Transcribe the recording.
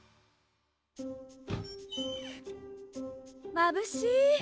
まぶしい。